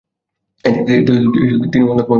এতে তিনিও অন্যতম সদস্য মনোনীত হন।